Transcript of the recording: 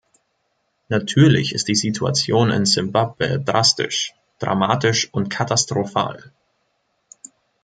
Natürlich ist die Situation in Simbabwe drastisch, dramatisch und katastrophal.